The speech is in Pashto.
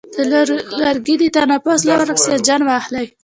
د لوګي د تنفس لپاره اکسیجن واخلئ